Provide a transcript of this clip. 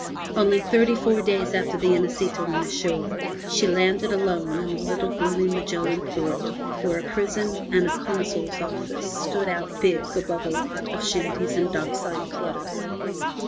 Only thirty four days after the Inesita went ashore, she landed alone in a little gloomy Magellan port, where a prison and a Consul's office stood out big above a lot of shanties and dock side clutter.